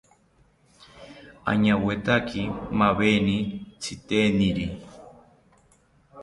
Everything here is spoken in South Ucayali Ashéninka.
Añawetaki maaweni tziteniri